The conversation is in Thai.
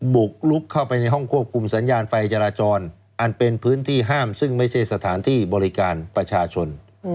บุกลุกเข้าไปในห้องควบคุมสัญญาณไฟจราจรอันเป็นพื้นที่ห้ามซึ่งไม่ใช่สถานที่บริการประชาชน